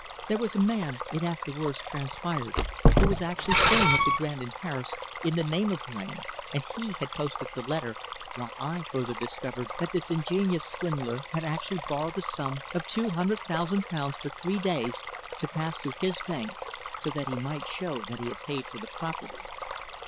There was a man, it afterwards transpired, who was actually staying at the Grand in Paris in the name of Blain, and he had posted the letter, while I further discovered that this ingenious swindler had actually borrowed the sum of two hundred thousand pounds for three days to pass through his bank, so that he might show that he had paid for the property."